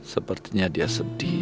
sepertinya dia sedih